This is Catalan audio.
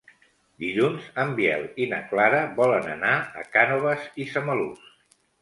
Dilluns en Biel i na Clara volen anar a Cànoves i Samalús.